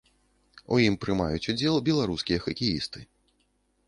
У ім прымаюць удзел беларускія хакеісты.